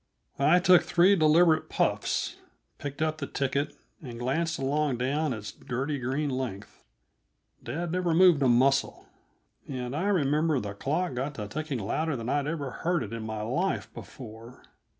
I took three deliberate puffs, picked up the ticket, and glanced along down its dirty green length. Dad never moved a muscle, and I remember the clock got to ticking louder than I'd ever heard it in my life before.